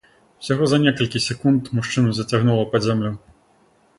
Усяго за некалькі секунд мужчыну зацягнула пад зямлю.